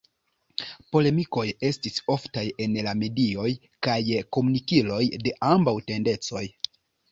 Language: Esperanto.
Polemikoj estis oftaj en la medioj kaj komunikiloj de ambaŭ tendencoj.